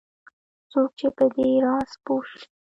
څوک چې په دې راز پوه شي